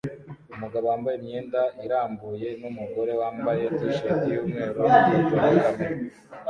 Umugabo wambaye imyenda irambuye numugore wambaye t-shirt yumweru bifotora kamera